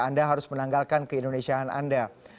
anda harus menanggalkan keindonesiaan anda